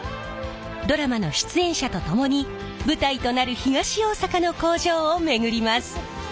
ドラマの出演者と共に舞台となる東大阪の工場を巡ります！